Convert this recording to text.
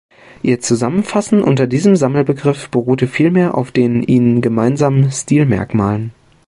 Ihr Zusammenfassen unter diesem Sammelbegriff beruhte vielmehr auf den ihnen gemeinsamen Stilmerkmalen.